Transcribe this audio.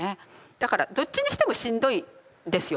だからどっちにしてもしんどいですよ